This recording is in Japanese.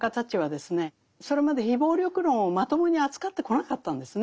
それまで非暴力論をまともに扱ってこなかったんですね。